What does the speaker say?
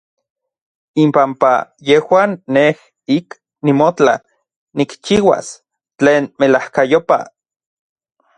Inpampa yejuan nej ik nimotla nikchiuas tlen melajkayopaj.